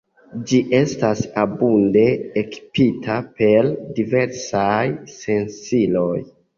Ĝi estas abunde ekipita per diversaj sensiloj.